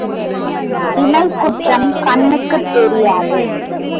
இமைக் குற்றம் கண்ணுக்குத் தெரியாது.